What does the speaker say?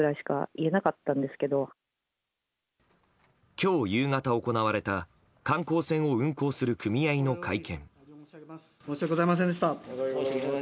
今日夕方行われた観光船を運航する組合の会見。